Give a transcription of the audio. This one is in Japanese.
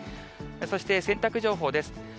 そして洗濯情報です。